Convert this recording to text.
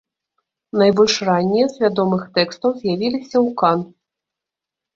Найбольш раннія з вядомых тэкстаў з'явіліся ў кан.